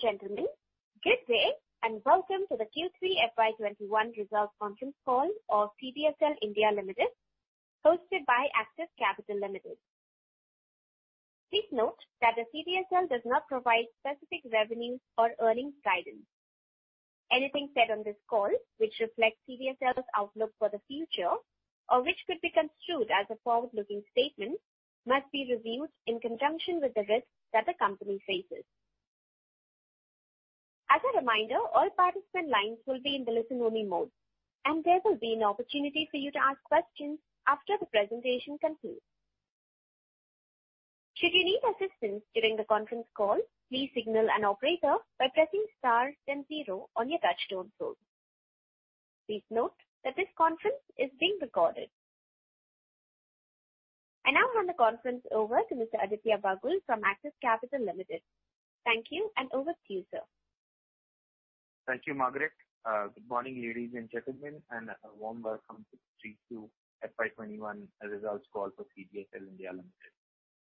Ladies and gentlemen, good day and welcome to the Q3 FY 2021 results conference call of CDSL India Limited, hosted by Axis Capital Limited. Please note that the CDSL does not provide specific revenues or earnings guidance. Anything said on this call which reflects CDSL's outlook for the future, or which could be construed as a forward-looking statement, must be reviewed in conjunction with the risks that the company faces. As a reminder, all participant lines will be in the listen-only mode, there will be an opportunity for you to ask questions after the presentation concludes. Should you need assistance during the conference call, please signal an operator by pressing star then zero on your touchtone phone. Please note that this conference is being recorded. I now hand the conference over to Mr. Aditya Bagul from Axis Capital Limited. Thank you, over to you, sir. Thank you, Margaret. Good morning, ladies and gentlemen, and a warm welcome to 3Q FY 2021 results call for CDSL India Limited.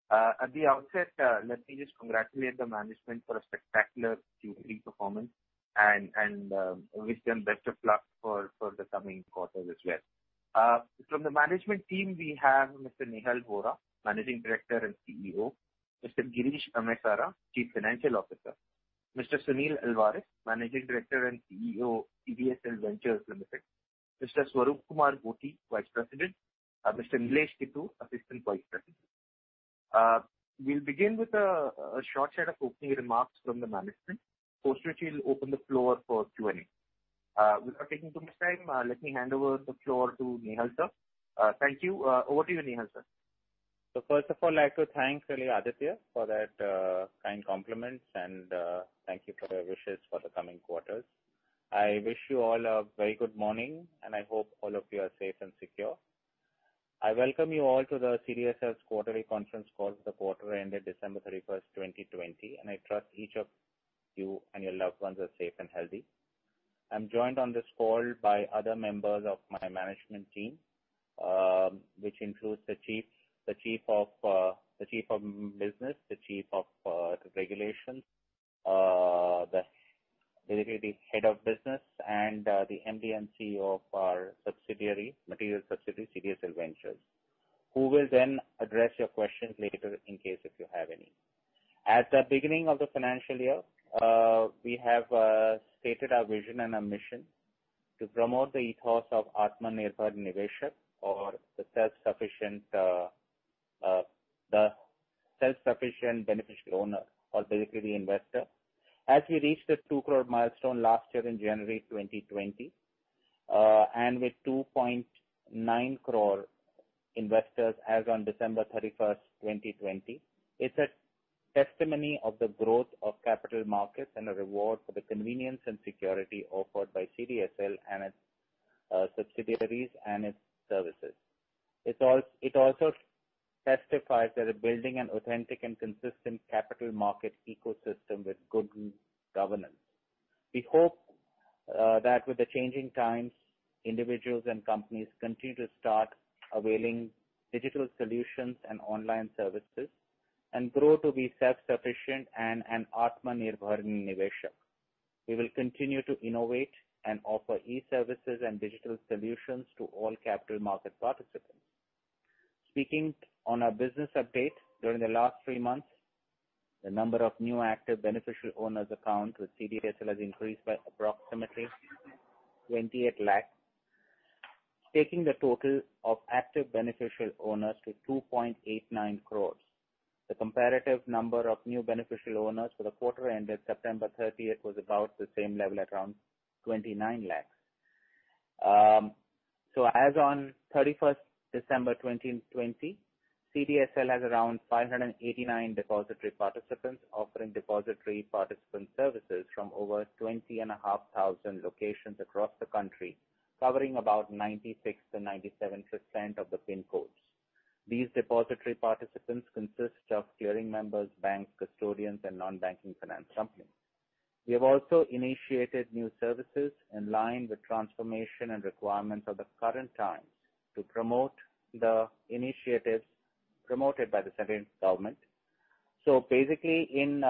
At the outset, let me just congratulate the management for a spectacular Q3 performance and wish them best of luck for the coming quarters as well. From the management team, we have Mr. Nehal Vora, Managing Director and CEO; Mr. Girish Amesara, Chief Financial Officer; Mr. Sunil Alvares, Managing Director and CEO, CDSL Ventures Limited; Mr. Swaroop Kumar Gothi, Vice President; Mr. Nilesh Kittur, Assistant Vice President. We'll begin with a short set of opening remarks from the management, post which we'll open the floor for Q&A. Without taking too much time, let me hand over the floor to Nehal, sir. Thank you. Over to you, Nehal, sir. First of all, I'd like to thank really Aditya for that kind compliment, and thank you for your wishes for the coming quarters. I wish you all a very good morning, and I hope all of you are safe and secure. I welcome you all to the CDSL's quarterly conference call for the quarter ended December 31st, 2020, and I trust each of you and your loved ones are safe and healthy. I'm joined on this call by other members of my management team, which includes the chief of business, the chief of regulations, the head of business, and the MD and CEO of our subsidiary, material subsidiary, CDSL Ventures, who will then address your questions later in case if you have any. At the beginning of the financial year, we have stated our vision and our mission to promote the ethos of Atmanirbhar Niveshak or the self-sufficient beneficial owner or basically investor. As we reached the 2 crore milestone last year in January 2020, and with 2.9 crore investors as on December 31st, 2020, it's a testimony of the growth of capital markets and a reward for the convenience and security offered by CDSL and its subsidiaries and its services. It also testifies that we're building an authentic and consistent capital market ecosystem with good governance. We hope that with the changing times, individuals and companies continue to start availing digital solutions and online services and grow to be self-sufficient and an Atmanirbhar Niveshak. We will continue to innovate and offer e-services and digital solutions to all capital market participants. Speaking on our business update during the last three months, the number of new active beneficial owners accounts with CDSL has increased by approximately 28 lakh, taking the total of active beneficial owners to 2.89 crores. The comparative number of new beneficial owners for the quarter ended September 30th was about the same level at around 29 lakh. As on 31st December 2020, CDSL has around 589 depository participants offering depository participant services from over 20,500 locations across the country, covering about 96%-97% of the PIN codes. These depository participants consist of clearing members, banks, custodians, and non-banking finance companies. We have also initiated new services in line with transformation and requirements of the current times to promote the initiatives promoted by the central government. Basically, in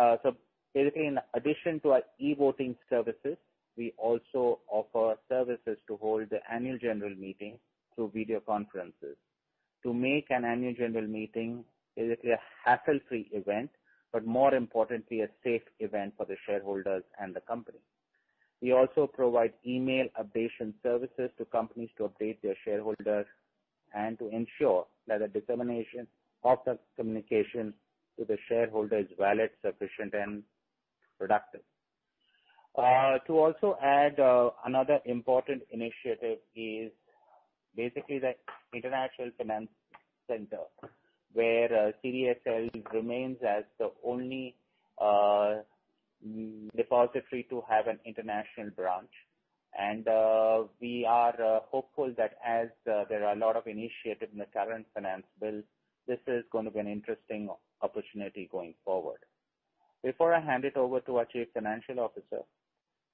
addition to our e-Voting services, we also offer services to hold annual general meetings through video conferences to make an annual general meeting basically a hassle-free event, but more importantly, a safe event for the shareholders and the company. We also provide email updation services to companies to update their shareholders and to ensure that the determination of the communication to the shareholder is valid, sufficient, and productive. To also add another important initiative is basically the International Finance Centre, where CDSL remains as the only depository to have an international branch. We are hopeful that as there are a lot of initiatives in the current finance bill, this is going to be an interesting opportunity going forward. Before I hand it over to our Chief Financial Officer.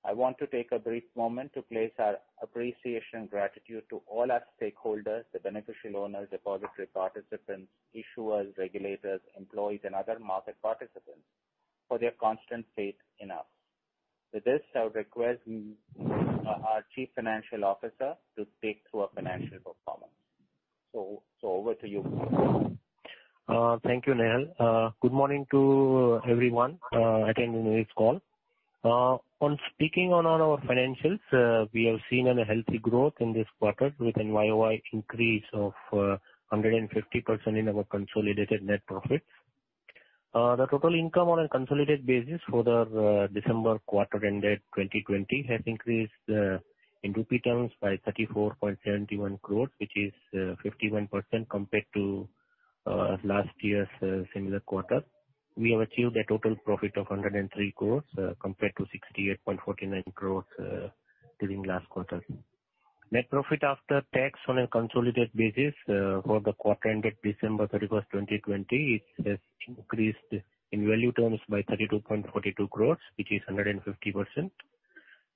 I want to take a brief moment to place our appreciation and gratitude to all our stakeholders, the beneficial owners, depository participants, issuers, regulators, employees, and other market participants for their constant faith in us. With this, I would request our Chief Financial Officer to take through our financial performance. Over to you. Thank you, Nehal. Good morning to everyone attending this call. On speaking on our financials, we have seen a healthy growth in this quarter with a YoY increase of 150% in our consolidated net profits. The total income on a consolidated basis for the December quarter ended 2020 has increased in rupee terms by 34.71 crores, which is 51% compared to last year's similar quarter. We have achieved a total profit of 103 crores compared to 68.49 crores during last quarter. Net profit after tax on a consolidated basis for the quarter ended December 31st, 2020, it has increased in value terms by 32.42 crores, which is 150%,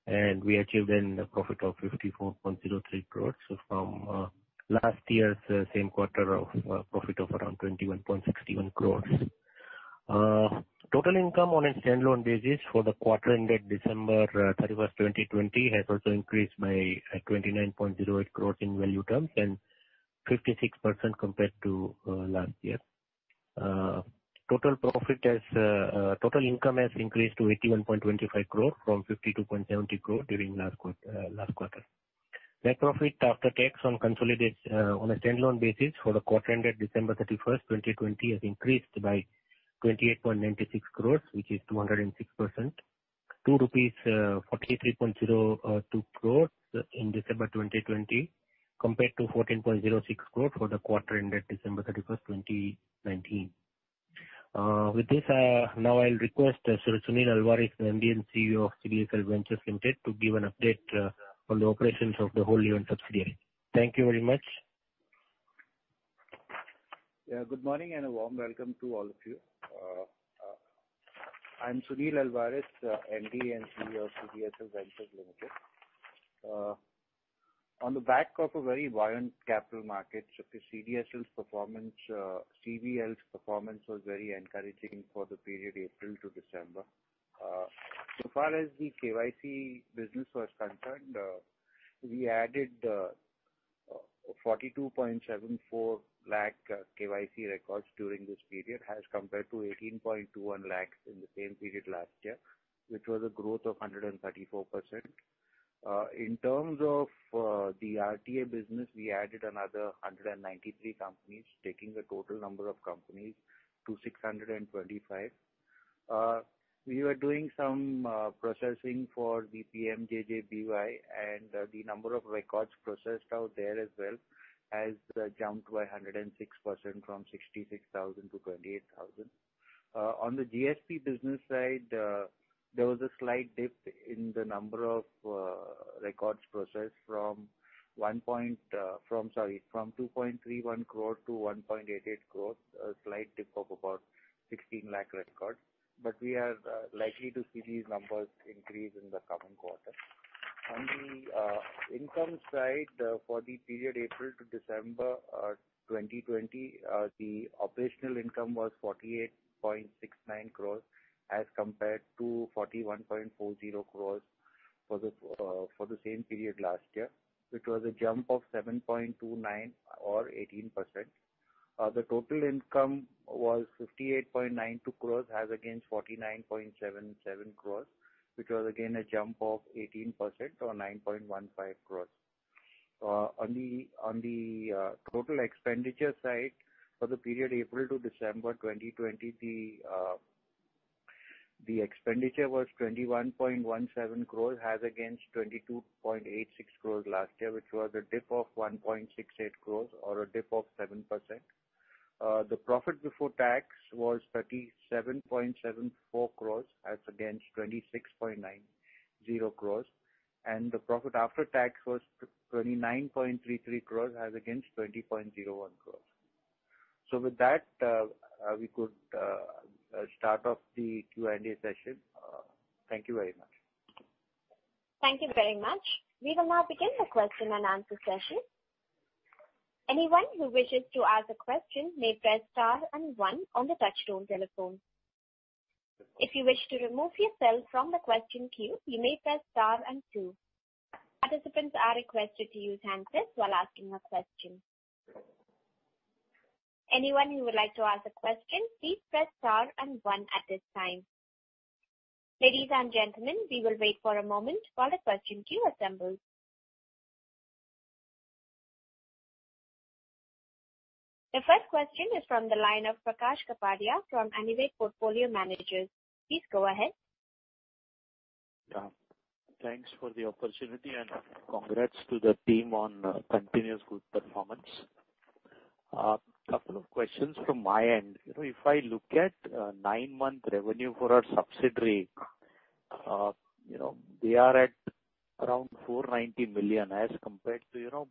and we achieved a profit of 54.03 crores from last year's same quarter of profit of around 21.61 crores. Total income on a standalone basis for the quarter ended December 31st, 2020, has also increased by 29.08 crores in value terms and 56% compared to last year. Total income has increased to 81.25 crore from 52.70 crore during last quarter. Net profit after tax on a standalone basis for the quarter ended December 31st, 2020, has increased by 28.96 crores, which is 206%. 43.02 crores in December 2020 compared to 14.06 crores for the quarter ended December 31st, 2019. With this, now I will request Mr. Sunil Alvares, MD and CEO of CDSL Ventures Limited, to give an update on the operations of the wholly owned subsidiary. Thank you very much. Good morning and a warm welcome to all of you. I'm Sunil Alvares, MD and CEO of CDSL Ventures Limited. On the back of a very buoyant capital market, CDSL's performance, CVL's performance was very encouraging for the period April to December. Far as the KYC business was concerned, we added 42.74 lakh KYC records during this period as compared to 18.21 lakh in the same period last year, which was a growth of 134%. In terms of the RTA business, we added another 193 companies, taking the total number of companies to 625. We were doing some processing for PMJJBY and the number of records processed out there as well has jumped by 106% from 66,000-28,000. On the GSP business side, there was a slight dip in the number of records processed from 2.31 crore-1.88 crore. A slight dip of about 16 lakh records. We are likely to see these numbers increase in the coming quarter. On the income side, for the period April to December 2020, the operational income was 48.69 crores as compared to 41.40 crores for the same period last year, which was a jump of 7.29 crores or 18%. The total income was 58.92 crores as against 49.77 crores, which was again a jump of 18% or 9.15 crores. On the total expenditure side, for the period April to December 2020, the expenditure was 21.17 crores as against 22.86 crores last year, which was a dip of 1.68 crores or a dip of 7%. The profit before tax was 37.74 crores as against 26.90 crores, and the profit after tax was 29.33 crores as against 20.01 crores. With that, we could start off the Q&A session. Thank you very much. Thank you very much. We will now begin the question and answer session. Anyone who wishes to ask a question may press star and one on the touchtone telephone. If you wish to remove yourself from the question queue, you may press star and two. Participants are requested to use handsets while asking a question. Anyone who would like to ask a question, please press star and one at this time. Ladies and gentlemen, we will wait for a moment while the question queue assembles. The first question is from the line of Prakash Kapadia from Anived Portfolio Managers. Please go ahead. Thanks for the opportunity and congrats to the team on continuous good performance. A couple of questions from my end. If I look at nine-month revenue for our subsidiary, they are at. Around 490 million as compared to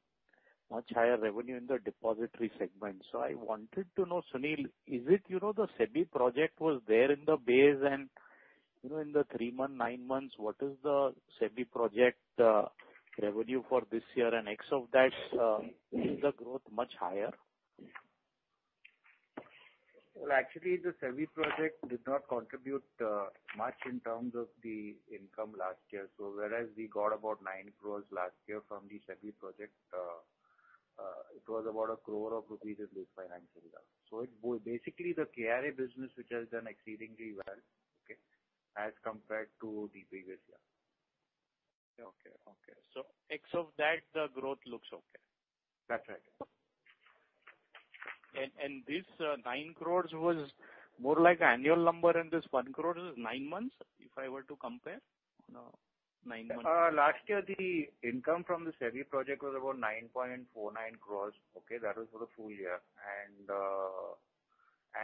much higher revenue in the depository segment. I wanted to know, Sunil, is it the SEBI project was there in the base and in the three months, nine months, what is the SEBI project revenue for this year? Ex of that, is the growth much higher? Well, actually, the SEBI project did not contribute much in terms of the income last year. Whereas we got about 9 crores last year from the SEBI project, it was about 1 crore of rupees in this financial year. Basically, the KRA business, which has done exceedingly well, okay, as compared to the previous year. Okay. Ex of that, the growth looks okay. That's right. This 9 crores was more like annual number and this 1 crore is nine months, if I were to compare nine months. Last year, the income from the SEBI project was about 9.49 crore. Okay. That was for the full year.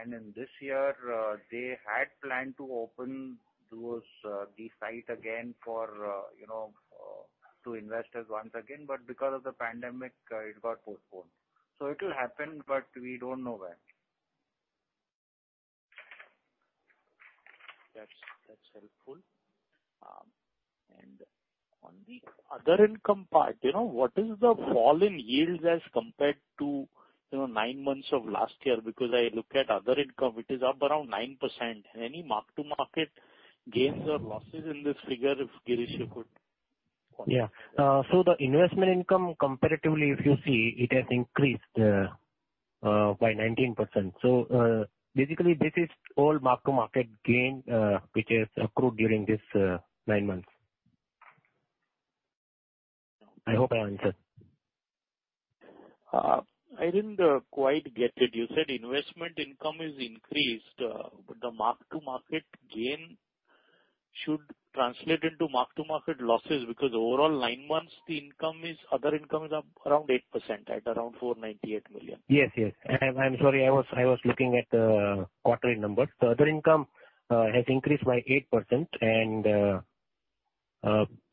In this year, they had planned to open the site again to investors once again, but because of the pandemic, it got postponed. It will happen, but we don't know when. That's helpful. On the other income part, what is the fall in yields as compared to nine months of last year? I look at other income, it is up around 9%. Any mark-to-market gains or losses in this figure, if Girish? Yeah. The investment income, comparatively, if you see, it has increased by 19%. Basically, this is all mark-to-market gain, which has accrued during these nine months. I hope I answered. I didn't quite get it. You said investment income is increased, but the mark-to-market gain should translate into mark-to-market losses because overall nine months the other income is up around 8% at around 498 million. Yes. I'm sorry. I was looking at the quarterly numbers. The other income has increased by 8%.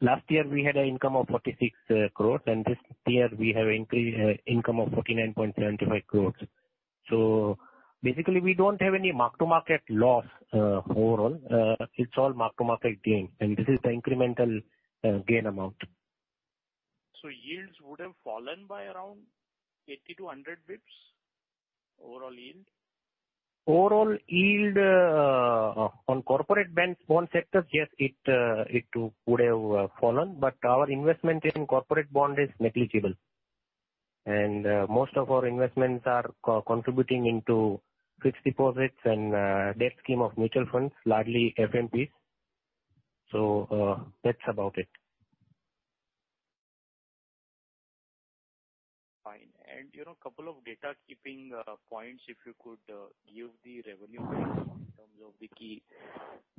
Last year we had an income of 46 crore, and this year we have increased income of 49.75 crore. Basically, we don't have any mark-to-market loss overall. It's all mark-to-market gain. This is the incremental gain amount. yields would have fallen by around 80-100 basis points, overall yield? Overall yield on corporate bench bond sectors, yes, it would have fallen, our investment in corporate bond is negligible. Most of our investments are contributing into fixed deposits and debt scheme of mutual funds, largely FMPs. That's about it. Fine. Couple of data keeping points, if you could give the revenue breakdown in terms of the key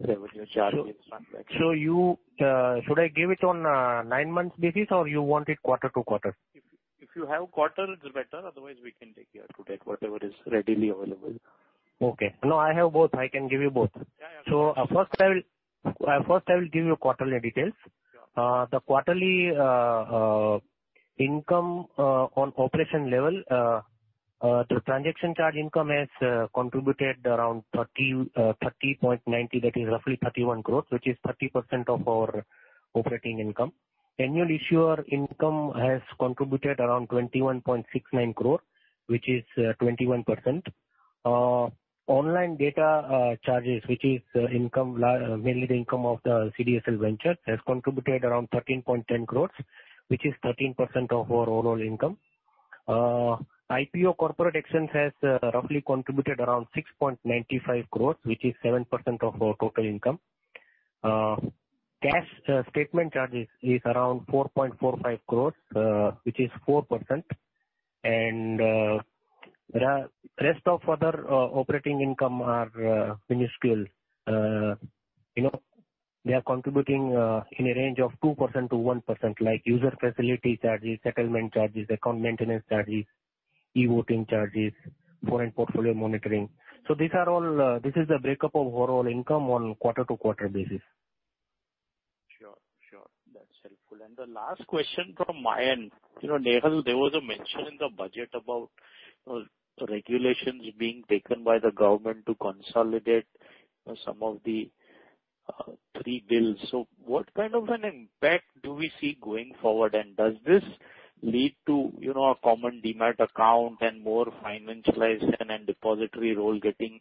revenue charges. Should I give it on a nine-month basis, or you want it quarter to quarter? If you have quarter, it's better. Otherwise, we can take year-to-date, whatever is readily available. Okay. No, I have both. I can give you both. Yeah. First I will give you quarterly details. Sure. The quarterly income on operation level, the transaction charge income has contributed around 30.90 crore, that is roughly 31 crore, which is 30% of our operating income. Annual issuer income has contributed around 21.69 crore, which is 21%. Online data charges, which is mainly the income of the CDSL Ventures, has contributed around 13.10 crore, which is 13% of our overall income. IPO corporate action has roughly contributed around 6.95 crore, which is 7% of our total income. Cash statement charges is around 4.45 crore, which is 4%. Rest of other operating income are minuscule. They are contributing in a range of 2%-1%, like user facility charges, settlement charges, account maintenance charges, e-Voting charges, foreign portfolio monitoring. So this is the breakup of overall income on quarter-to-quarter basis. Sure. That's helpful. The last question from my end. Nehal, there was a mention in the budget about regulations being taken by the government to consolidate some of the three bills. What kind of an impact do we see going forward? Does this lead to a common Demat account and more financialization and depository role getting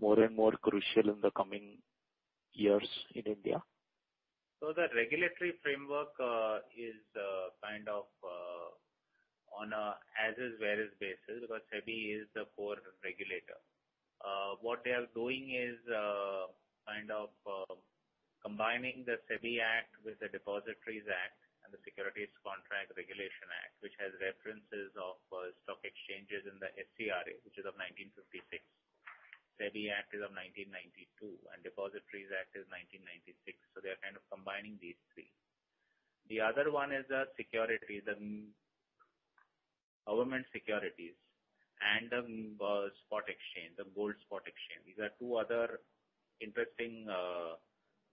more and more crucial in the coming years in India? The regulatory framework is on a as is where is basis, because SEBI is the core regulator. What they are doing is combining the SEBI Act with the Depositories Act and the Securities Contracts Regulation Act, which has references of stock exchanges in the SCRA, which is of 1956. SEBI Act is of 1992, and Depositories Act is 1996. They're kind of combining these three. The other one is the securities and government securities and the spot exchange, the gold spot exchange. These are two other interesting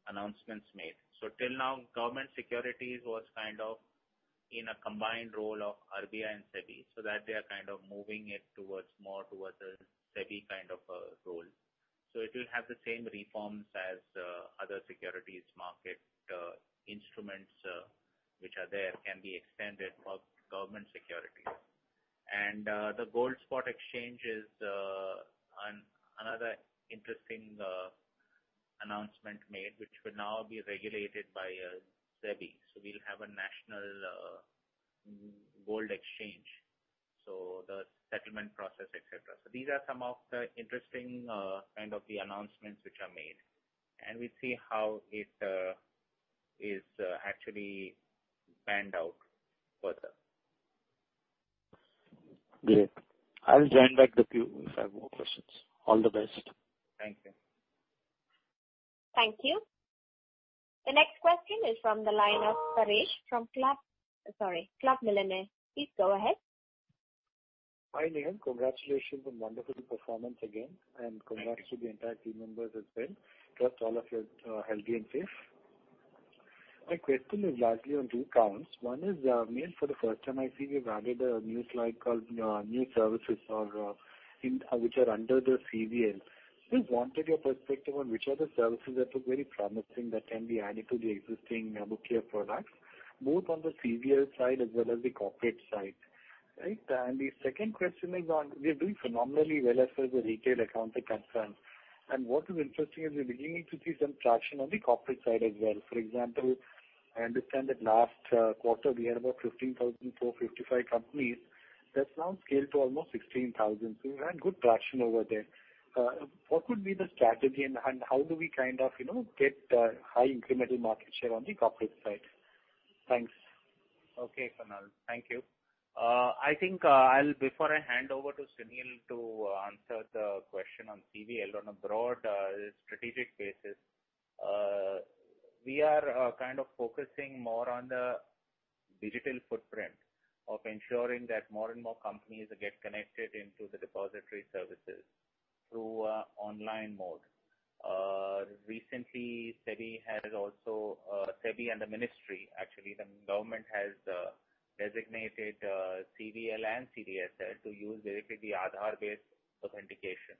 announcements made. Till now, government securities was kind of in a combined role of RBI and SEBI, that they are kind of moving it more towards a SEBI kind of a role. It will have the same reforms as other securities market instruments which are there can be extended for government securities. The gold spot exchange is another interesting announcement made, which will now be regulated by SEBI. We'll have a national gold exchange. The settlement process, et cetera. These are some of the interesting kind of the announcements which are made, and we see how it is actually panned out further. Great. I'll join back with you if I have more questions. All the best. Thank you. Thank you. The next question is from the line of Paresh from Clave. Sorry, Clave Millennial. Please go ahead. Hi, Nehal. Congratulations on wonderful performance again. Congrats to the entire team members as well. Trust all of you are healthy and safe. My question is largely on two counts. One is, Nehal, for the first time I see you've added a new slide called New Services, which are under the CVL. Just wanted your perspective on which are the services that look very promising that can be added to the existing bookyear products, both on the CVL side as well as the corporate side. Right. The second question is on, we are doing phenomenally well as far as the retail account is concerned. What is interesting is we are beginning to see some traction on the corporate side as well. For example, I understand that last quarter we had about 15,455 companies, that's now scaled to almost 16,000. We've had good traction over there. What could be the strategy and how do we kind of get high incremental market share on the corporate side? Thanks. Okay, Paresh. Thank you. I think before I hand over to Sunil to answer the question on CVL on a broad strategic basis. We are kind of focusing more on the digital footprint of ensuring that more and more companies get connected into the depository services through online mode. Recently, SEBI and the ministry, actually, the government has designated CVL and CDSL to use directly the Aadhaar-based authentication.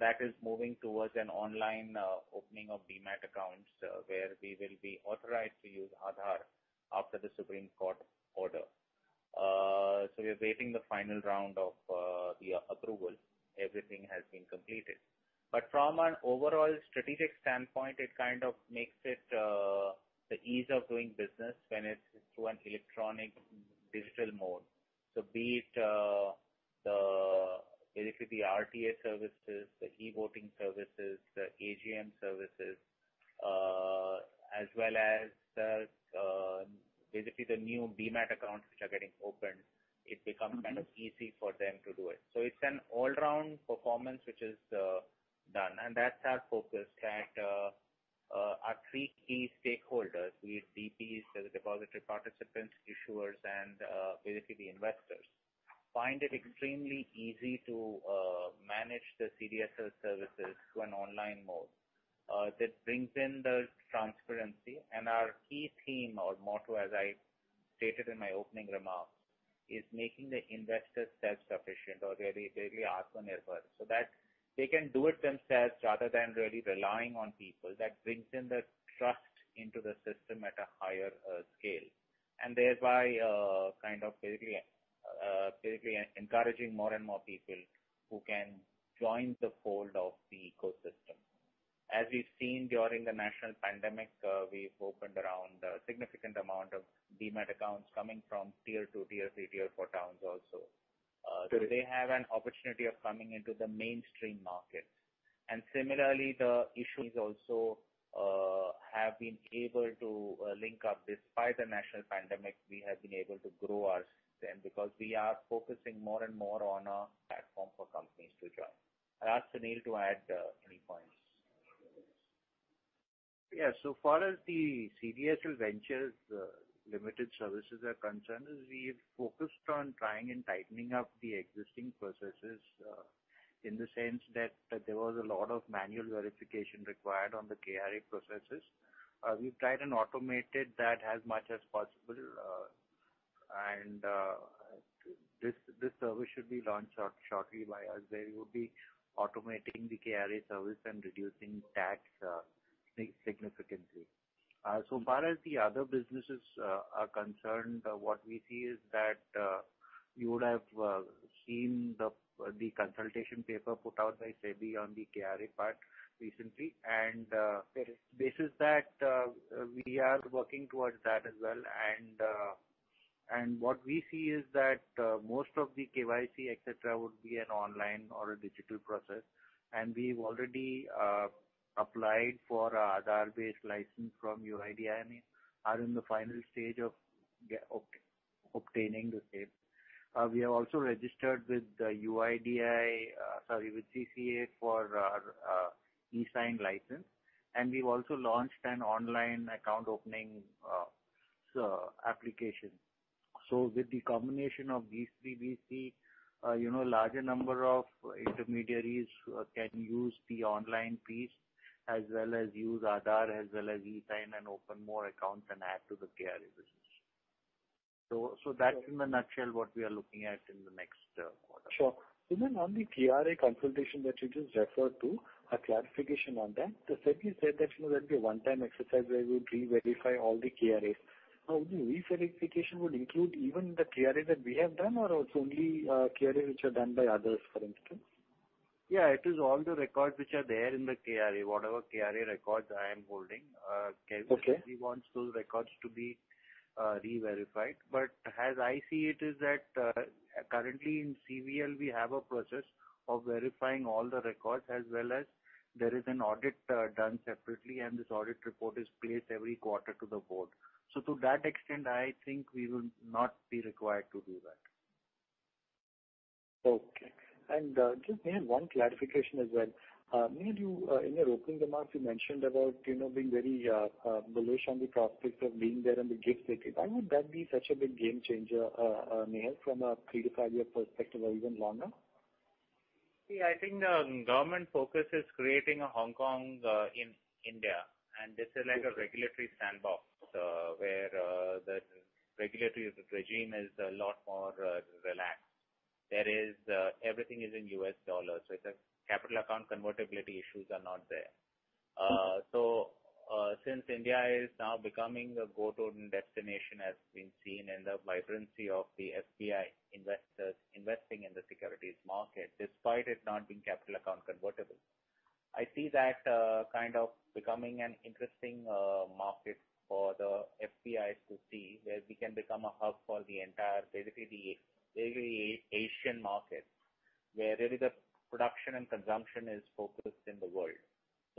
That is moving towards an online opening of Demat accounts, where we will be authorized to use Aadhaar after the Supreme Court order. We are waiting the final round of the approval. Everything has been completed. From an overall strategic standpoint, it kind of makes it the ease of doing business when it's through an electronic digital mode. Be it, the RTA services, the e-Voting services, the AGM services, as well as the new Demat accounts which are getting opened, it becomes easy for them to do it. It's an all-round performance which is done, and that's our focus that our three key stakeholders, the DPs, the depository participants, issuers, and the investors, find it extremely easy to manage the CDSL services through an online mode. That brings in the transparency and our key theme or motto, as I stated in my opening remarks, is making the investor self-sufficient or really atmanirbhar, so that they can do it themselves rather than really relying on people. That brings in the trust into the system at a higher scale and thereby encouraging more and more people who can join the fold of the ecosystem. As we've seen during the national pandemic, we've opened around a significant amount of Demat accounts coming from Tier 2, Tier 3, Tier 4 towns also. They have an opportunity of coming into the mainstream market. Similarly, the issuers also have been able to link up. Despite the national pandemic, we have been able to grow our system because we are focusing more and more on our platform for companies to join. I'll ask Sunil to add any points. Yeah. So far as the CDSL Ventures Limited services are concerned is we've focused on trying and tightening up the existing processes, in the sense that there was a lot of manual verification required on the KRA processes. We've tried and automated that as much as possible. This service should be launched shortly by us, where we would be automating the KRA service and reducing tax significantly. So far as the other businesses are concerned, what we see is that you would have seen the consultation paper put out by SEBI on the KRA part recently, and basis that we are working towards that as well. What we see is that most of the KYC, et cetera, would be an online or a digital process, and we've already applied for Aadhaar-based license from UIDAI, and are in the final stage of obtaining the same. We have also registered with the UIDAI, sorry, with TCA for our eSign license. We've also launched an online account opening application. With the combination of these three, we see a larger number of intermediaries who can use the online piece as well as use Aadhaar as well as eSign and open more accounts and add to the KRA business. That, in a nutshell, what we are looking at in the next quarter. Sure. Even on the KRA consultation that you just referred to, a clarification on that. The SEBI said that will be a one-time exercise where we re-verify all the KRAs. Now, would re-verification include even the KRA that we have done or it's only KRA which are done by others, for instance? Yeah. It is all the records which are there in the KRA, whatever KRA records I am holding- Okay SEBI wants those records to be re-verified. As I see it is that currently in CVL, we have a process of verifying all the records as well as there is an audit done separately, and this audit report is placed every quarter to the board. To that extent, I think we will not be required to do that. Okay. Just, Nehal, one clarification as well. Nehal, in your opening remarks, you mentioned about being very bullish on the prospects of being there in the GIFT City. Why would that be such a big game changer, Nehal, from a three-five year perspective or even longer? See, I think the government focus is creating a Hong Kong in India, and this is like a regulatory sandbox, where the regulatory regime is a lot more relaxed. Everything is in US dollars, so capital account convertibility issues are not there. Since India is now becoming a go-to destination, as we've seen in the vibrancy of the FPI investors investing in the securities market, despite it not being capital account convertible. I see that kind of becoming an interesting market for the FPIs to see where we can become a hub for the entire, basically the Asian market, where really the production and consumption is focused in the world.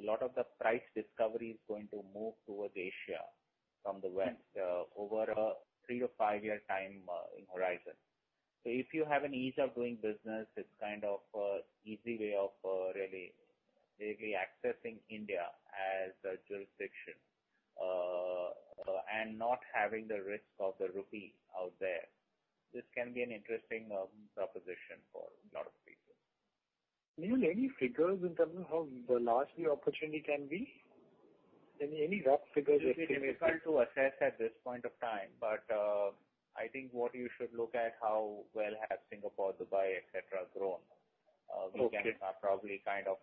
A lot of the price discovery is going to move towards Asia from the West over a three-five year time in horizon. If you have an ease of doing business, it's kind of easy way of really accessing India as a jurisdiction and not having the risk of the rupee out there. This can be an interesting proposition for a lot of people. Nehal, any figures in terms of how large the opportunity can be? Any rough figures? It will be difficult to assess at this point of time. I think what you should look at how well has Singapore, Dubai, et cetera, grown. Okay. We can probably kind of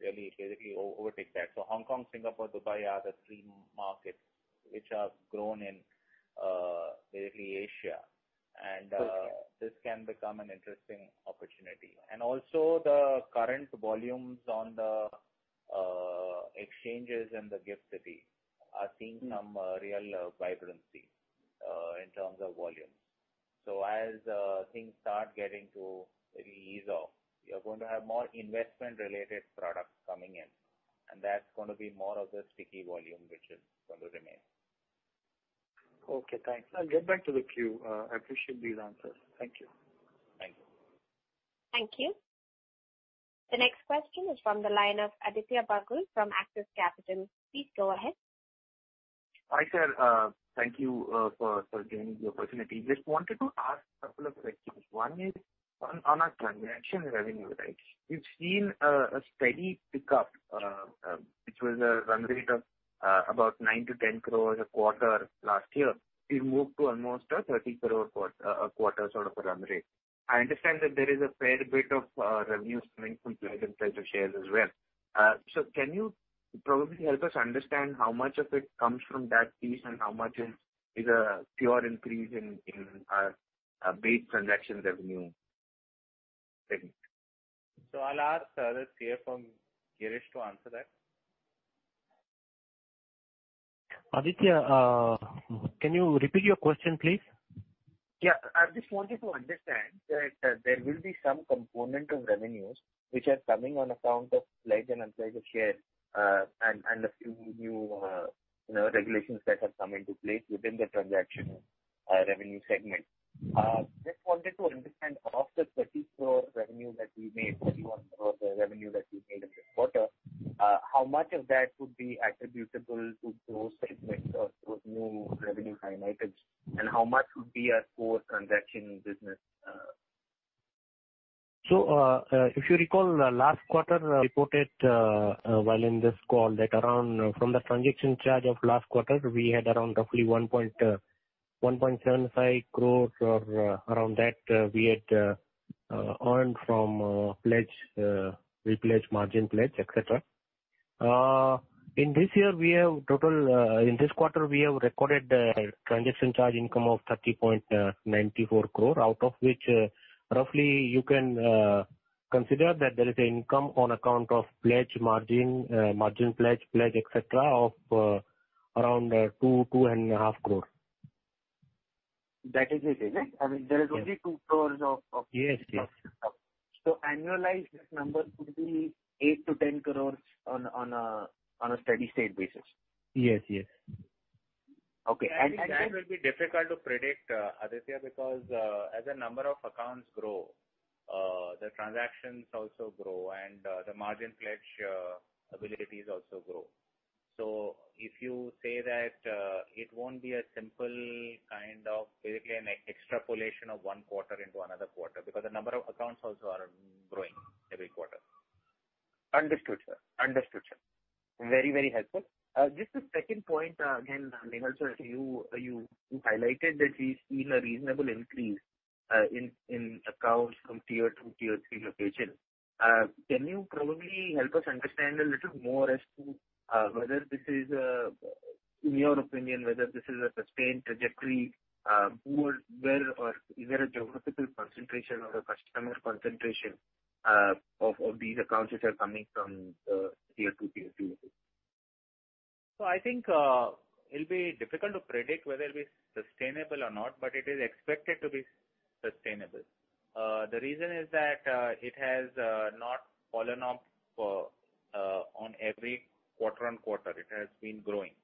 really basically overtake that. Hong Kong, Singapore, Dubai are the three markets which have grown in basically Asia. Okay. This can become an interesting opportunity. Also the current volumes on the exchanges in the GIFT City are seeing some real vibrancy in terms of volumes. As things start getting to really ease off, we are going to have more investment-related products coming in, and that's going to be more of the sticky volume which is going to remain. Okay, thanks. I'll get back to the queue. I appreciate these answers. Thank you. Thank you. Thank you. The next question is from the line of Aditya Bagul from Axis Capital. Please go ahead. Hi, sir. Thank you for giving me the opportunity. Just wanted to ask a couple of questions. One is on our transaction revenue, right? We've seen a steady pickup, which was a run rate of about 9 crore-10 crores a quarter last year. We've moved to almost a 30 crore a quarter sort of a run rate. I understand that there is a fair bit of revenue coming from pledge and pledge of shares as well. Can you probably help us understand how much of it comes from that piece and how much is a pure increase in our base transaction revenue segment? I'll ask our CFO, Girish, to answer that. Aditya, can you repeat your question, please? Yeah. I just wanted to understand that there will be some component of revenues which are coming on account of pledge and unpledged share and a few new regulations that have come into place within the transaction revenue segment. Just wanted to understand of the 30 crore revenue that we made, 31 crore revenue that we made in this quarter, how much of that would be attributable to those segments or those new revenue highlights, and how much would be a core transaction business? If you recall, last quarter reported well in this call that around from the transaction charge of last quarter, we had around roughly 1.75 crore or around that we had earned from pledge, repledge, margin pledge, et cetera. In this quarter, we have recorded a transaction charge income of 30.94 crore, out of which roughly you can consider that there is income on account of pledge margin pledge, et cetera, of around 2.5 crore. That is the thing. I mean, there is only 2 crore. Yes. Annualized, that number could be 8 crore-10 crores on a steady state basis. Yes. Okay. I think that will be difficult to predict, Aditya, because as the number of accounts grow, the transactions also grow and the margin pledge abilities also grow. If you say that it won't be a simple kind of basically an extrapolation of one quarter into another quarter, because the number of accounts also are growing every quarter. Understood, sir. Very helpful. Just a second point, again, Nehal sir, you highlighted that we've seen a reasonable increase in accounts from Tier 2, Tier 3 locations. Can you probably help us understand a little more as to whether this is, in your opinion, whether this is a sustained trajectory, where or is there a geographical concentration or a customer concentration of these accounts which are coming from the Tier 2, Tier 3 locations? I think it'll be difficult to predict whether it'll be sustainable or not, but it is expected to be sustainable. The reason is that it has not fallen off on every quarter-on-quarter. It has been growing.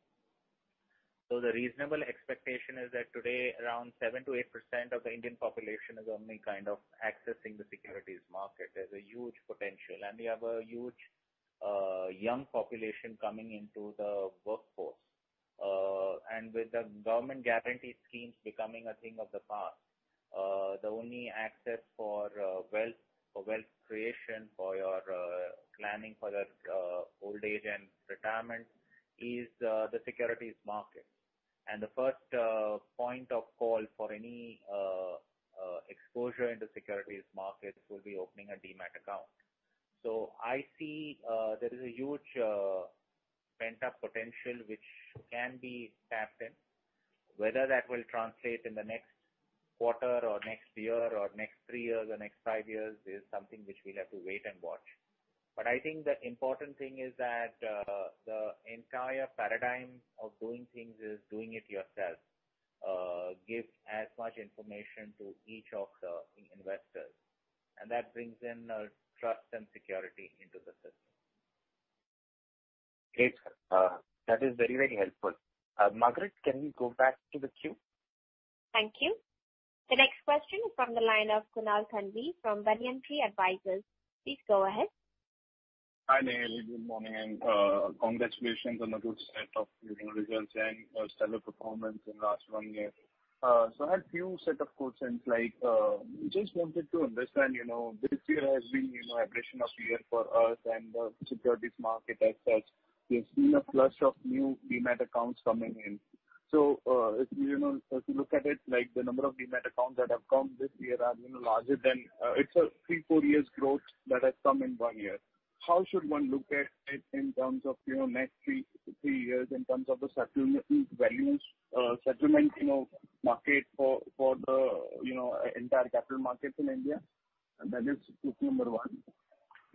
The reasonable expectation is that today around 7%-8% of the Indian population is only kind of accessing the securities market. There's a huge potential, and we have a huge young population coming into the workforce. With the government guarantee schemes becoming a thing of the past, the only access for wealth creation for your planning for that old age and retirement is the securities market. The first point of call for any exposure in the securities market will be opening a Demat account. I see there is a huge pent-up potential which can be tapped in. Whether that will translate in the next quarter or next year or next three years or next five years is something which we'll have to wait and watch. I think the important thing is that the entire paradigm of doing things is doing it yourself. Give as much information to each of the investors, and that brings in trust and security into the system. Great. That is very helpful. Margaret, can we go back to the queue? Thank you. The next question is from the line of Kunal Thanvi from Banyan Tree Advisors. Please go ahead. Hi, Nehal. Good morning. Congratulations on the good set of results and stellar performance in last one year. I had few set of questions, just wanted to understand, this year has been an aberration year for us and the securities market as such. We have seen a flush of new Demat accounts coming in. If you look at it, the number of Demat accounts that have come this year are even larger than, it's a three, four years growth that has come in one year. How should one look at it in terms of next three years in terms of the settlement values, settlement market for the entire capital market in India? That is point number one.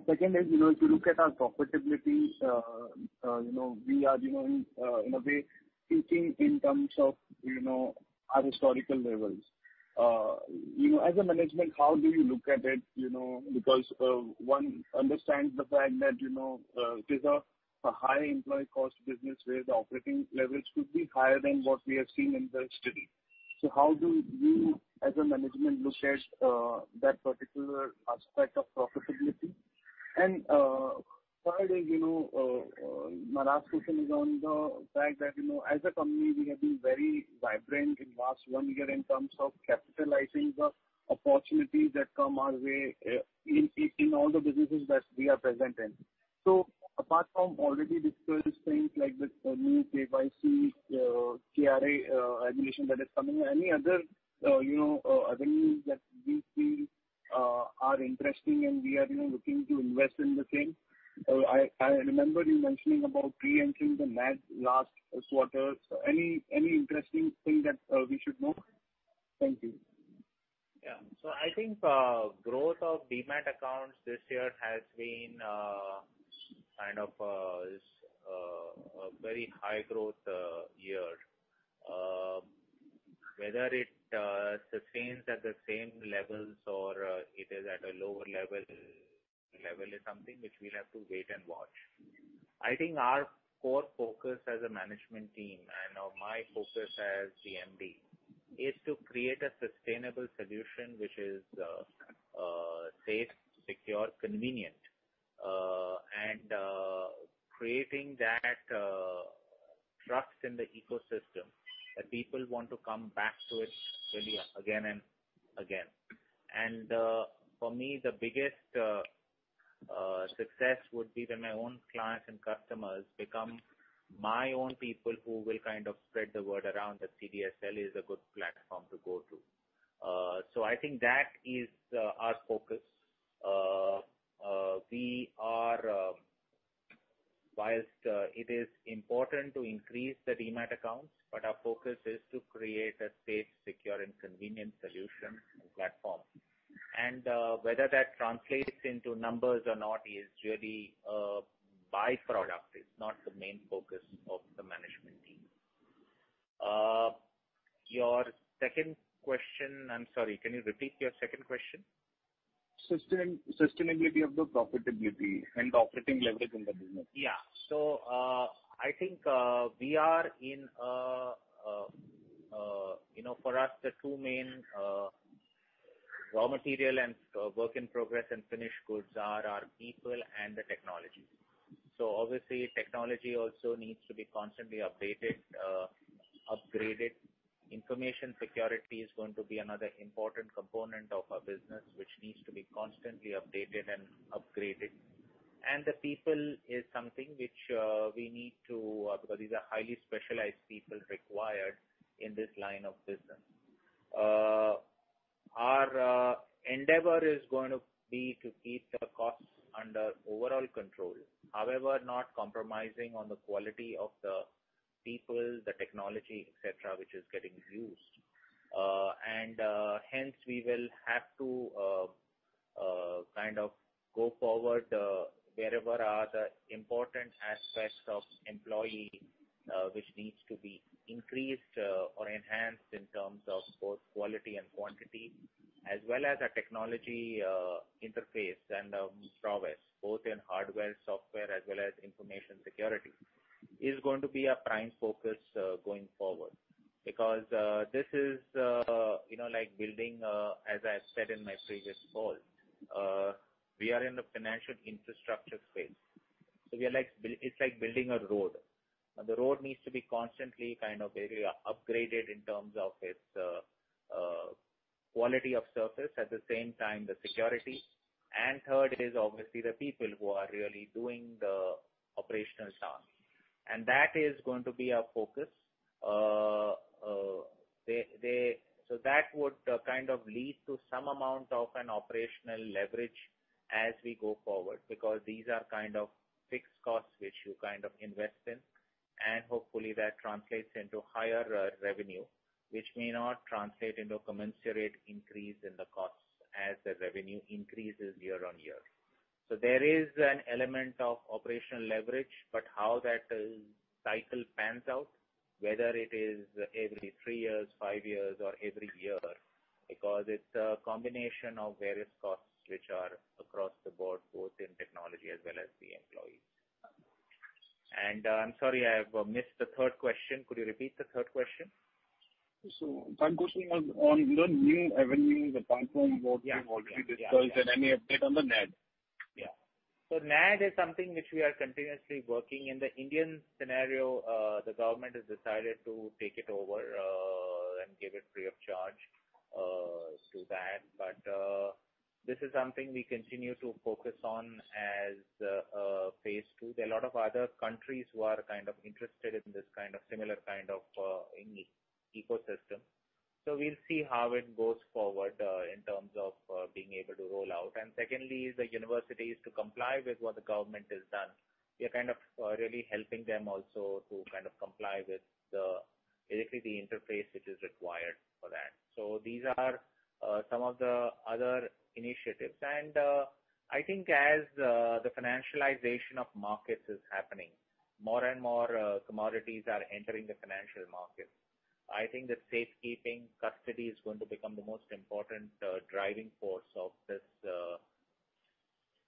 Second is, if you look at our profitability, we are in a way peaking in terms of our historical levels. As a management, how do you look at it? Because one understands the fact that it is a high employee cost business where the operating leverage could be higher than what we have seen in the history. How do you as a management look at that particular aspect of profitability? Third is, my last question is on the fact that as a company, we have been very vibrant in last one year in terms of capitalizing the opportunities that come our way in all the businesses that we are present in. Apart from already discussed things like the new KYC, KRA regulation that is coming, any other avenues that we see are interesting and we are looking to invest in the same? I remember you mentioning about pre-entering the NAD last quarter. Any interesting thing that we should note? Thank you. Yeah. I think growth of Demat accounts this year has been a very high growth year. Whether it sustains at the same levels or it is at a lower level is something which we'll have to wait and watch. I think our core focus as a management team, and my focus as MD is to create a sustainable solution which is safe, secure, convenient, and creating that trust in the ecosystem that people want to come back to it really again and again. For me, the biggest success would be when my own clients and customers become my own people who will spread the word around that CDSL is a good platform to go to. I think that is our focus. Whilst it is important to increase the Demat accounts, but our focus is to create a safe, secure, and convenient solution platform. Whether that translates into numbers or not is really a by-product. It's not the main focus of the management team. Your second question, I'm sorry, can you repeat your second question? Sustainability of the profitability and operating leverage in the business. Yeah. I think for us, the two main raw material and work in progress and finished goods are our people and the technology. Obviously, technology also needs to be constantly updated, upgraded. Information security is going to be another important component of our business, which needs to be constantly updated and upgraded. The people is something which we need to because these are highly specialized people required in this line of business. Our endeavor is going to be to keep the costs under overall control. However, not compromising on the quality of the people, the technology, et cetera, which is getting used. We will have to go forward wherever are the important aspects of employee, which needs to be increased or enhanced in terms of both quality and quantity, as well as our technology interface and prowess, both in hardware, software, as well as information security, is going to be a prime focus going forward. This is like building, as I said in my previous call, we are in the financial infrastructure space. It's like building a road. The road needs to be constantly very upgraded in terms of its quality of surface, at the same time, the security. Third is obviously the people who are really doing the operational tasks. That is going to be our focus. That would lead to some amount of an operational leverage as we go forward, because these are fixed costs which you invest in, and hopefully that translates into higher revenue, which may not translate into commensurate increase in the costs as the revenue increases year on year. There is an element of operational leverage, but how that cycle pans out, whether it is every three years, five years, or every year, because it's a combination of various costs which are across the board, both in technology as well as the employees. I'm sorry, I have missed the third question. Could you repeat the third question? My question was on the new avenues, apart from what you've already discussed and any update on the NAD. Yeah. NAD is something which we are continuously working. In the Indian scenario, the government has decided to take it over and give it free of charge to that. This is something we continue to focus on as phase II. There are a lot of other countries who are interested in this similar kind of ecosystem. We'll see how it goes forward in terms of being able to roll out. Secondly, is the universities to comply with what the government has done. We are really helping them also to comply with the interface which is required for that. These are some of the other initiatives. I think as the financialization of markets is happening, more and more commodities are entering the financial markets. I think that safekeeping custody is going to become the most important driving force of this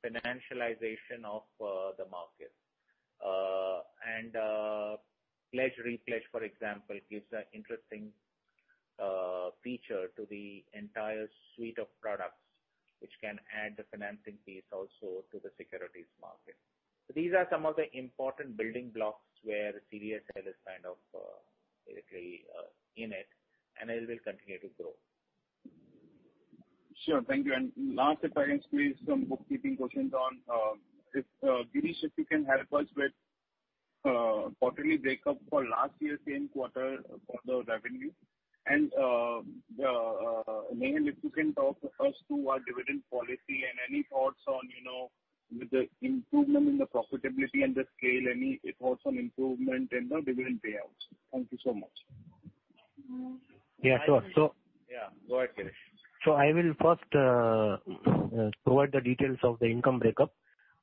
financialization of the market. Pledge/re-pledge, for example, gives an interesting feature to the entire suite of products, which can add the financing piece also to the securities market. These are some of the important building blocks where CDSL is directly in it, and it will continue to grow. Sure. Thank you. Last, if I can squeeze some bookkeeping questions on. Girish, if you can help us with quarterly breakup for last year's same quarter for the revenue. Nehal, if you can talk first to our dividend policy and any thoughts on with the improvement in the profitability and the scale, any thoughts on improvement in the dividend payouts? Thank you so much. Yeah, sure. Yeah. Go ahead, Girish. I will first provide the details of the income breakup.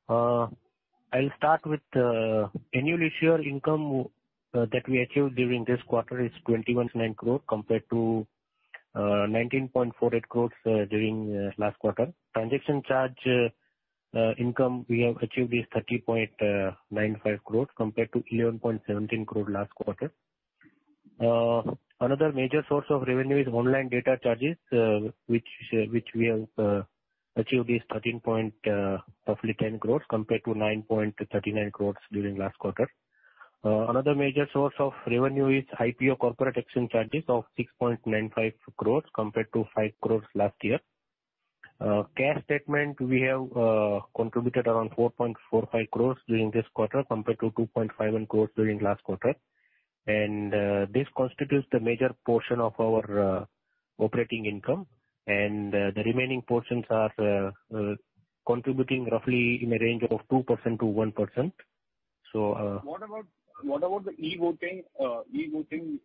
I'll start with annual issuer income that we achieved during this quarter is 21.9 crores compared to 19.48 crores during last quarter. Transaction charge income we have achieved is 30.95 crores compared to 11.17 crore last quarter. Another major source of revenue is online data charges, which we have achieved is 13.10 crores compared to 9.39 crores during last quarter. Another major source of revenue is IPO corporate action charges of 6.95 crores compared to 5 crores last year. Cash statement, we have contributed around 4.45 crores during this quarter compared to 2.51 crores during last quarter. This constitutes the major portion of our operating income, and the remaining portions are contributing roughly in a range of 2% to 1%. What about the e-Voting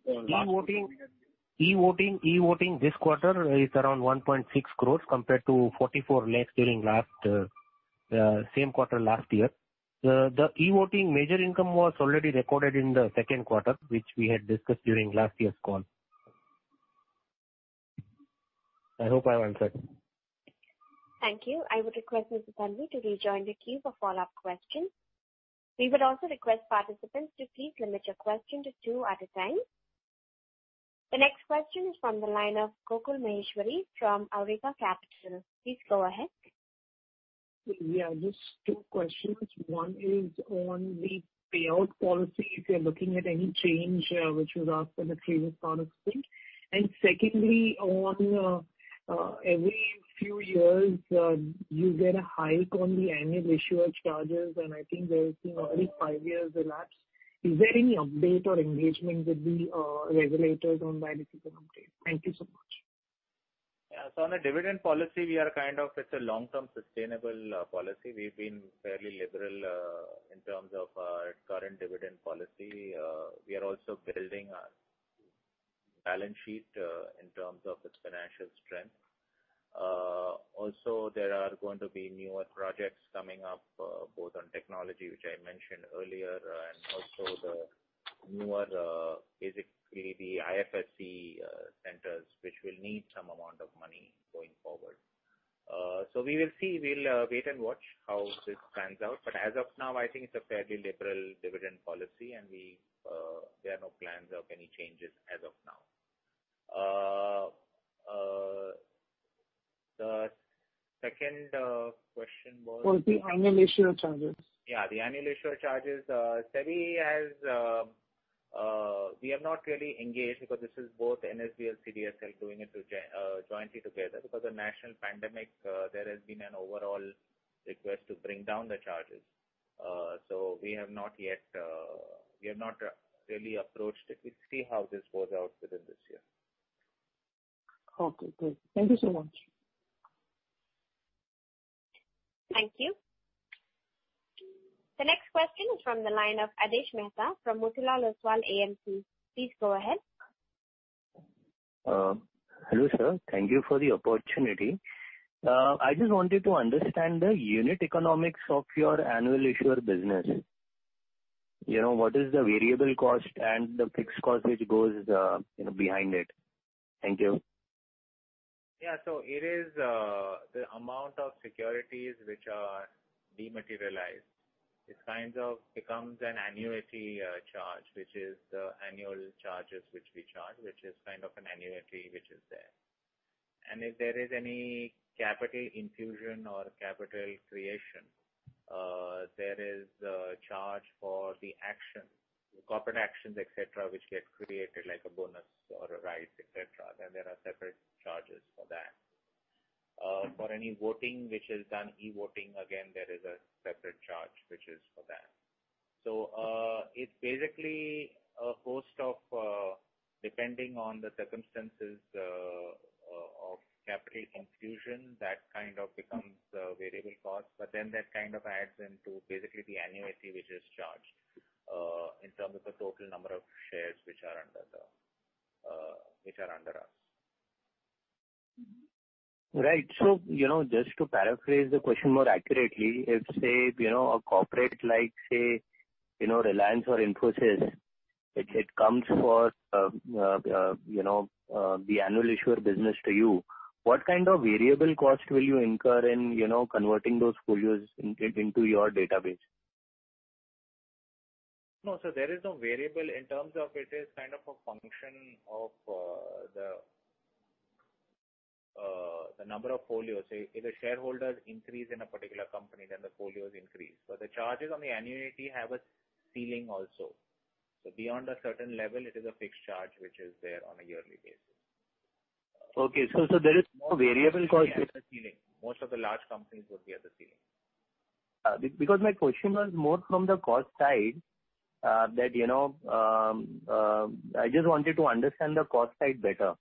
last quarter? e-Voting this quarter is around 1.6 crore compared to 44 lakh during same quarter last year. The e-Voting major income was already recorded in the second quarter, which we had discussed during last year's call. I hope I answered. Thank you. I would request Mr. Thanvi to rejoin the queue for follow-up questions. We would also request participants to please limit your questions to two at a time. The next question is from the line of Gokul Maheshwari from Awriga Capital. Please go ahead. Yeah. Just two questions. One is on the payout policy, if you're looking at any change, which was asked in the previous conference call. Secondly, on every few years, you get a hike on the annual issuer charges, and I think we're seeing already five years elapsed. Is there any update or engagement with the regulators on why this is an update? Thank you so much. On the dividend policy, it's a long-term sustainable policy. We've been fairly liberal in terms of our current dividend policy. We are also building our balance sheet in terms of its financial strength. There are going to be newer projects coming up both on technology, which I mentioned earlier, and also the newer, basically the IFSC centers, which will need some amount of money going forward. We will see. We'll wait and watch how this pans out. As of now, I think it's a fairly liberal dividend policy, and there are no plans of any changes as of now. The second question was? Was the annual issuer charges. The annual issuer charges. We have not really engaged because this is both NSDL, CDSL doing it jointly together. Of national pandemic, there has been an overall request to bring down the charges. We have not really approached it. We see how this goes out within this year. Okay, great. Thank you so much. Thank you. The next question is from the line of Aadesh Mehta from Motilal Oswal AMC. Please go ahead. Hello, sir. Thank you for the opportunity. I just wanted to understand the unit economics of your annual issuer business. What is the variable cost and the fixed cost which goes behind it? Thank you. It is the amount of securities which are dematerialized. It kind of becomes an annuity charge, which is the annual charges which we charge, which is kind of an annuity which is there. If there is any capital infusion or capital creation, there is a charge for the corporate actions, et cetera, which get created like a bonus or a right, et cetera. There are separate charges for that. For any voting which is done, e-Voting, again, there is a separate charge which is for that. It's basically a host of, depending on the circumstances of capital infusion, that kind of becomes a variable cost. That kind of adds into basically the annuity which is charged in terms of the total number of shares which are under us. Right. Just to paraphrase the question more accurately, if, say, a corporate like Reliance or Infosys, it comes for the annual issuer business to you, what kind of variable cost will you incur in converting those folios into your database? No. There is no variable. In terms of it is kind of a function of the number of folios. If the shareholders increase in a particular company, then the folios increase. The charges on the annuity have a ceiling also. Beyond a certain level, it is a fixed charge, which is there on a yearly basis. Okay. There is no variable cost. Most of the large companies would be at the ceiling. My question was more from the cost side. I just wanted to understand the cost side better.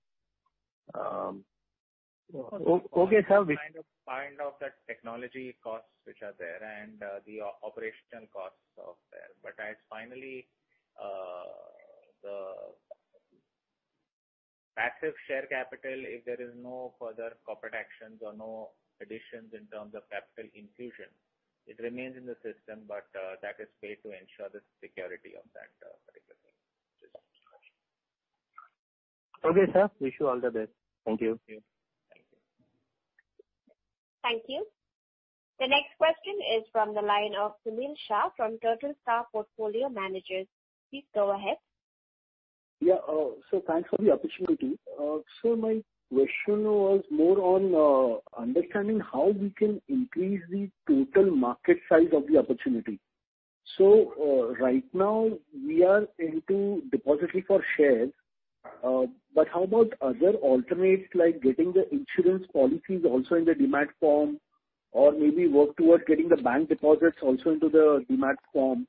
Okay, sir. Kind of that technology costs which are there, and the operational costs are there. Finally, the passive share capital, if there is no further corporate actions or no additions in terms of capital infusion, it remains in the system, but that is paid to ensure the security of that particular thing. Okay, sir. Wish you all the best. Thank you. Thank you. Thank you. The next question is from the line of Sunil Shah from Turtle Star Portfolio Managers. Please go ahead. Yeah. Thanks for the opportunity. My question was more on understanding how we can increase the total market size of the opportunity. Right now we are into depository for shares, but how about other alternates, like getting the insurance policies also in the Demat form, or maybe work toward getting the bank deposits also into the Demat form?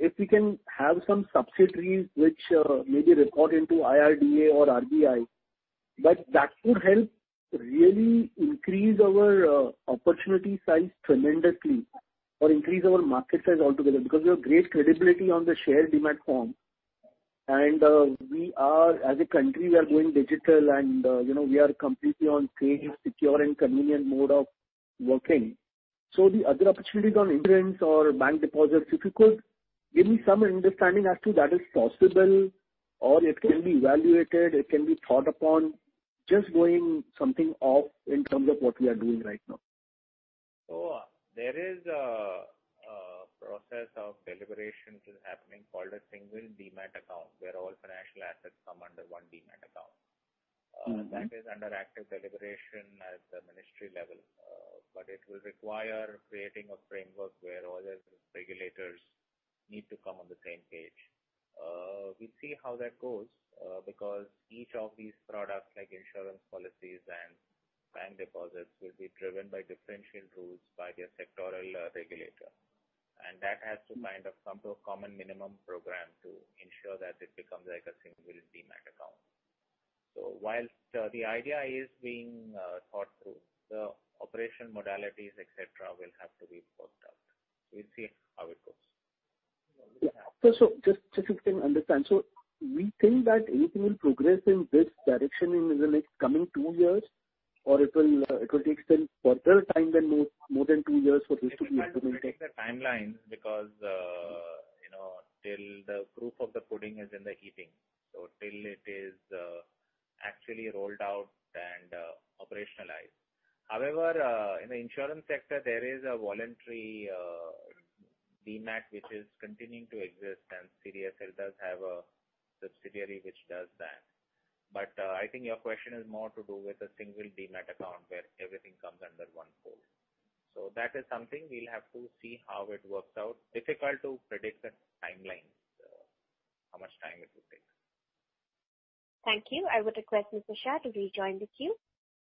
If we can have some subsidiaries which maybe report into IRDA or RBI, that could help really increase our opportunity size tremendously or increase our market size altogether, because we have great credibility on the share Demat form. As a country, we are going digital and we are completely on safe, secure, and convenient mode of working. The other opportunities on insurance or bank deposits, if you could give me some understanding as to that is possible, or it can be evaluated, it can be thought upon, just going something off in terms of what we are doing right now. There is a process of deliberations happening called a Single Demat Account, where all financial assets come under one Demat account. That is under active deliberation at the ministry level, but it will require creating a framework where all the regulators need to come on the same page. We see how that goes, because each of these products, like insurance policies and bank deposits, will be driven by differential rules by their sectoral regulator. That has to kind of come to a common minimum program to ensure that it becomes like a Single Demat Account. While the idea is being thought through, the operation modalities, et cetera, will have to be worked out. We'll see how it goes. Yeah. Just if you can understand. We think that anything will progress in this direction in the next coming two years, or it will take some further time than more than two years for this to be implemented? It is hard to predict the timelines because till the proof of the pudding is in the eating, so till it is actually rolled out and operationalized. However, in the insurance sector, there is a voluntary Demat which is continuing to exist, and CDSL does have a subsidiary which does that. I think your question is more to do with a Single Demat Account where everything comes under one fold. That is something we'll have to see how it works out. Difficult to predict the timelines, how much time it will take. Thank you. I would request Mr. Shah to rejoin the queue.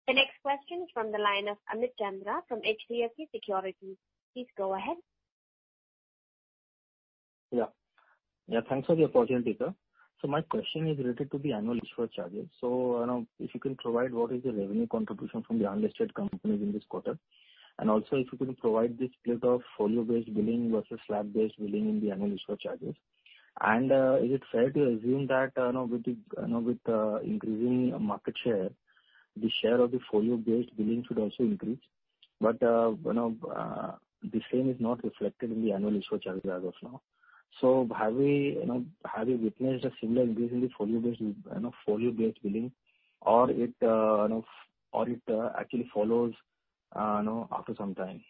The next question is from the line of Amit Chandra from HDFC Securities. Please go ahead. Yeah. Thanks for the opportunity, sir. My question is related to the annual issuer charges. If you can provide what is the revenue contribution from the unlisted companies in this quarter, and also if you can provide the split of folio-based billing versus slab-based billing in the annual issuer charges. Is it fair to assume that, with increasing market share, the share of the folio-based billing should also increase? The same is not reflected in the annual issuer charges as of now. Have you witnessed a similar increase in the folio-based billing, or it actually follows after some time?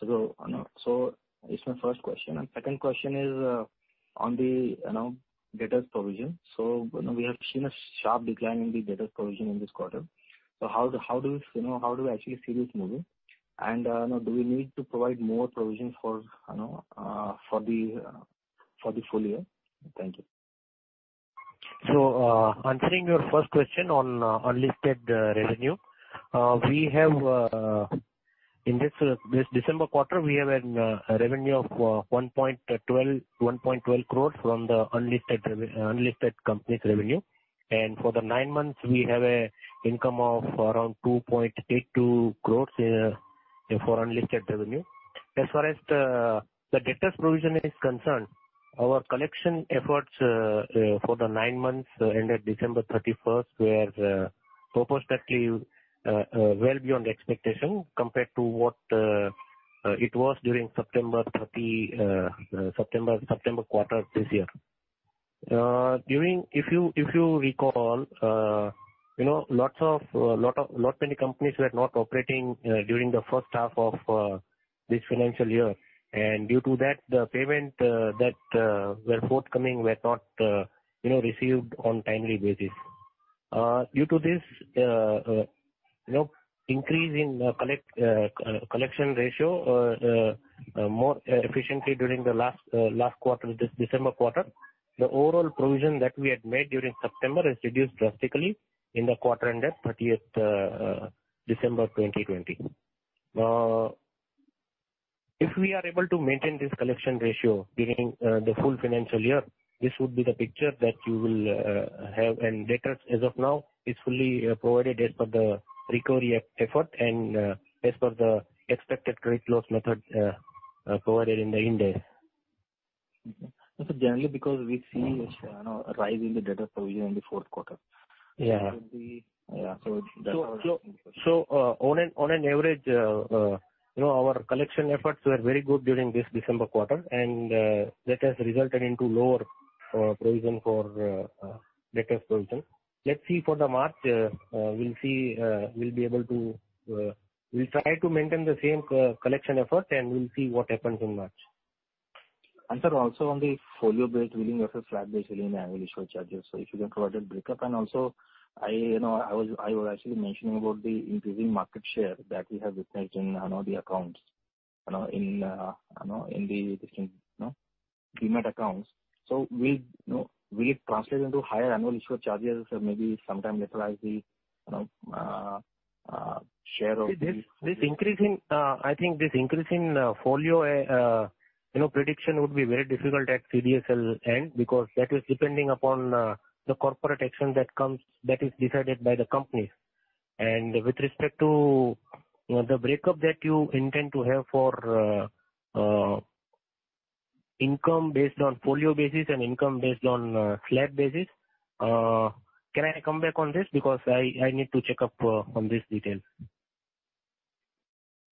It's my first question, and second question is on the debtor provision. We have seen a sharp decline in the debtor provision in this quarter. How do we actually see this moving? Do we need to provide more provision for the full year? Thank you. Answering your first question on unlisted revenue. In this December quarter, we have a revenue of 1.12 crore from the unlisted company's revenue. For the nine months, we have an income of around 2.82 crore for unlisted revenue. As far as the debtor provision is concerned, our collection efforts for the nine months ended December 31st were substantively well beyond expectation compared to what it was during September quarter this year. If you recall, not many companies were not operating during the first half of this financial year, and due to that, the payment that were forthcoming were not received on timely basis. Due to this increase in collection ratio more efficiently during the last quarter, this December quarter, the overall provision that we had made during September is reduced drastically in the quarter ended 30th December 2020. If we are able to maintain this collection ratio during the full financial year, this would be the picture that you will have and debtors as of now is fully provided as per the recovery effort and as per the expected credit loss method provided in the Ind AS. Okay. Generally, because we see a rise in the debtor provision in the fourth quarter. Yeah. That was interesting. On an average, our collection efforts were very good during this December quarter, and that has resulted into lower provision for debtors provision. Let's see for the March, we'll try to maintain the same collection effort, and we'll see what happens in March. Sir, also on the folio-based billing versus flat-based billing in annual escrow charges. If you can provide a breakup and also I was actually mentioning about the increasing market share that we have witnessed in the accounts, in the different Demat accounts. Will it translate into higher annual escrow charges, or maybe sometime utilize the share of the- I think this increase in folio prediction would be very difficult at CDSL end because that is depending upon the corporate action that is decided by the companies. With respect to the breakup that you intend to have for, income based on folio basis and income based on slab basis. Can I come back on this because I need to check up on these details.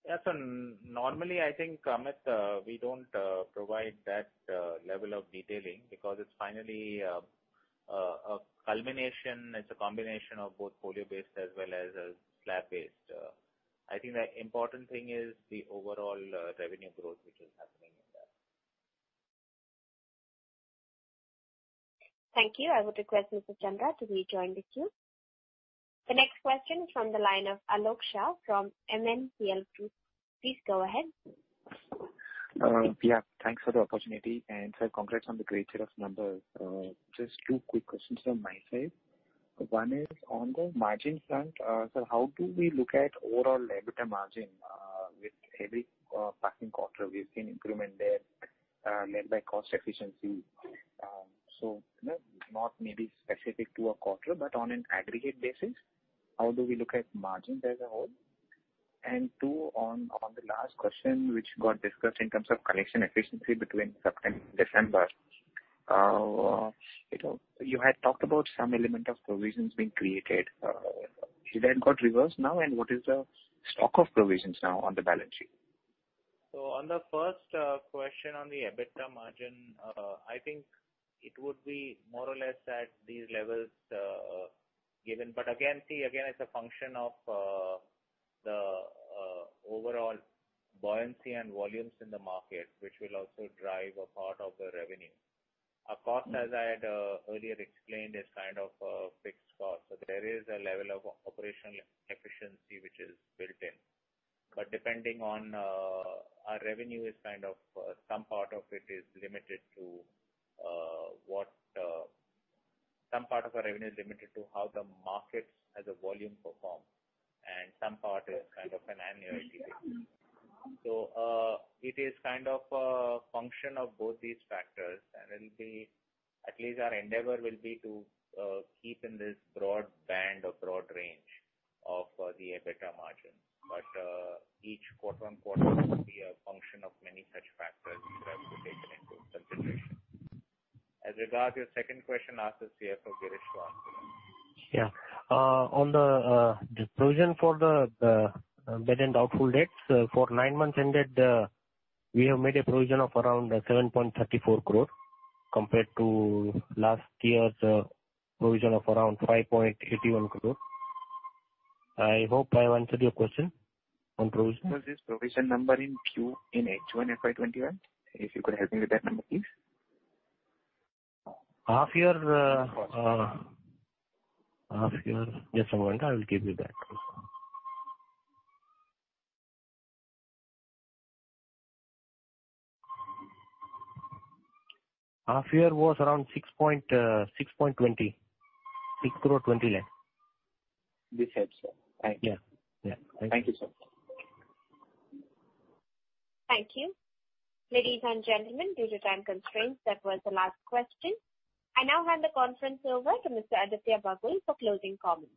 Yeah. Normally, I think, Amit, we don't provide that level of detailing because it's finally a culmination. It's a combination of both folio-based as well as slab-based. I think the important thing is the overall revenue growth, which is happening in that. Thank you. I would request Mr. Chandra to rejoin the queue. The next question is from the line of Aalok Shah from MNCL Group. Please go ahead. Yeah. Thanks for the opportunity. Sir, congrats on the great set of numbers. Just two quick questions from my side. One is on the margin front. Sir, how do we look at overall EBITDA margin with every passing quarter? We've seen improvement there led by cost efficiency. Not maybe specific to a quarter, but on an aggregate basis, how do we look at margins as a whole? Two, on the last question, which got discussed in terms of collection efficiency between September and December. You had talked about some element of provisions being created. Has that got reversed now? What is the stock of provisions now on the balance sheet? On the first question on the EBITDA margin, I think it would be more or less at these levels given. Again, it's a function of the overall buoyancy and volumes in the market, which will also drive a part of the revenue. Our cost, as I had earlier explained, is kind of a fixed cost. There is a level of operational efficiency which is built in. Depending on our revenue, some part of our revenue is limited to how the markets as a volume perform, and some part is kind of an annuity business. It is kind of a function of both these factors, and at least our endeavor will be to keep in this broad band or broad range of the EBITDA margin. Each quarter-on-quarter will be a function of many such factors which have to be taken into consideration. As regard your second question, ask the CFO, Girish, to answer that. Yeah. On the provision for the bad and doubtful debts, for nine months ended, we have made a provision of around 7.34 crore compared to last year's provision of around 5.81 crore. I hope I answered your question on provision. What was this provision number in H1 FY 2021? If you could help me with that number, please. Half year. Just a moment, I will give you that. Half year was around 6.20. 6.20 crore. This helps, sir. Thank you. Yeah. Thank you, sir. Thank you. Ladies and gentlemen, due to time constraints, that was the last question. I now hand the conference over to Mr. Aditya Bagul for closing comments.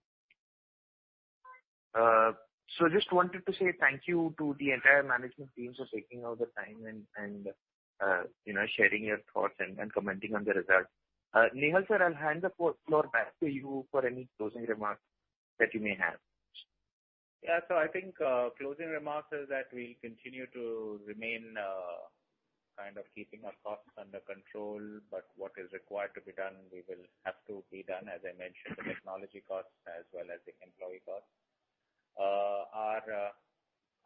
Just wanted to say thank you to the entire management team for taking out the time and sharing your thoughts and commenting on the results. Nehal, sir, I'll hand the floor back to you for any closing remarks that you may have. I think closing remarks is that we'll continue to remain keeping our costs under control. What is required to be done will have to be done, as I mentioned, the technology costs as well as the employee costs.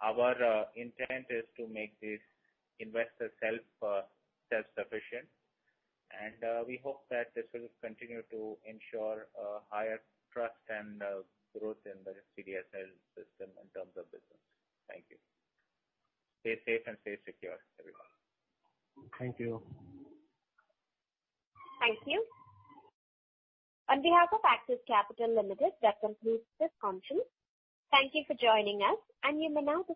Our intent is to make this investor self-sufficient, and we hope that this will continue to ensure higher trust and growth in the CDSL system in terms of business. Thank you. Stay safe and stay secure, everyone. Thank you. Thank you. On behalf of Axis Capital Limited, that concludes this conference. Thank you for joining us, and you may now disconnect your lines.